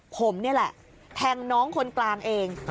ผมนี่แหละแทงน้องคนกลางเอง